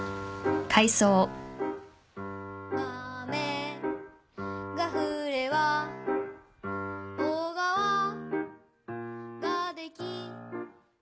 「雨が降れば小川ができ」